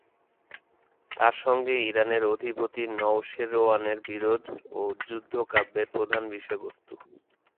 তাঁর সঙ্গে ইরানের অধিপতি নওশেরোয়ানের বিরোধ ও যুদ্ধ কাব্যের প্রধান বিষয়বস্ত্ত।